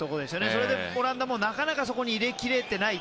それでオランダも、なかなかそこに入れ切れていない。